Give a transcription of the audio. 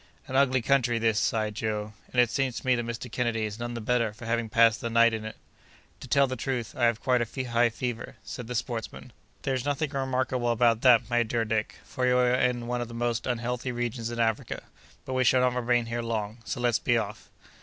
"An ugly country this!" sighed Joe; "and it seems to me that Mr. Kennedy is none the better for having passed the night in it." "To tell the truth, I have quite a high fever," said the sportsman. "There's nothing remarkable about that, my dear Dick, for we are in one of the most unhealthy regions in Africa; but we shall not remain here long; so let's be off."